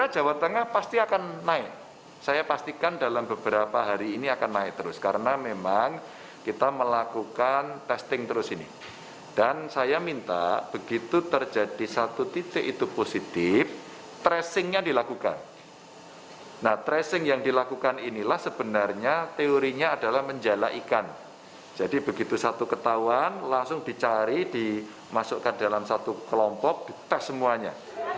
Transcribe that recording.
jadi begitu satu ketahuan langsung dicari dimasukkan dalam satu kelompok dipes semuanya